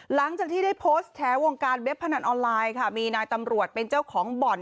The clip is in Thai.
หลังจากที่ได้โพสต์แฉวงการเว็บพนันออนไลน์ค่ะมีนายตำรวจเป็นเจ้าของบ่อน